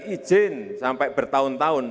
izin sampai bertahun tahun